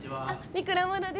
三倉茉奈です